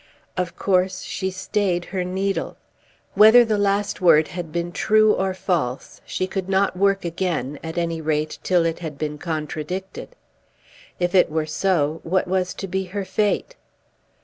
Of course she stayed her needle. Whether the last word had been true or false, she could not work again, at any rate till it had been contradicted. If it were so, what was to be her fate?